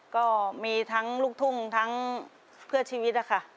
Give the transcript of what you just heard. ก็มีทั้งลูกทุ่งทั้งเพื่อชีวิตนะคะ